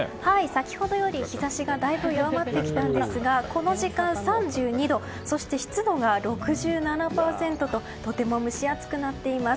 先ほどより日差しがだいぶ弱まってきたんですがこの時間、３２度そして湿度が６７％ととても蒸し暑くなっています。